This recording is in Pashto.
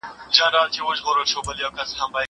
زه بايد پاکوالی وکړم!!